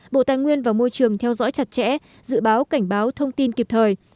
bộ tài nguyên và môi trường theo dõi chặt chẽ dự báo cảnh báo thông tin kịp thời